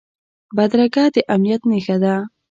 بدرګه د امنیت نښه ده